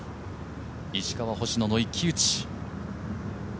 石川、星野の一騎打ち。